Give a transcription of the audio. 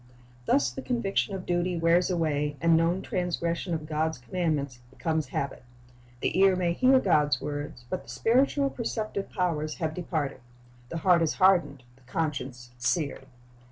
Thus the conviction of duty wears away, and known transgression of God's commandments becomes habit. The ear may hear God's word, but the spiritual perceptive powers have departed. The heart is hardened, the conscience seared.